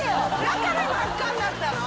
だから真っ赤になったの？